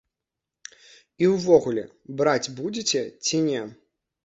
І увогуле, браць будзеце ці не?